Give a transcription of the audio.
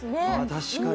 確かに。